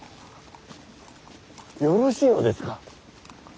よろしいのですか。